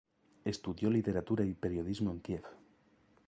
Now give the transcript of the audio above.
Estudió literatura y periodismo en Kiev.